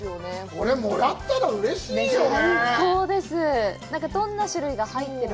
これ、もらったらうれしいよね。